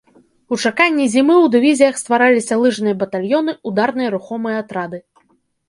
У чаканні зімы ў дывізіях ствараліся лыжныя батальёны, ударныя рухомыя атрады.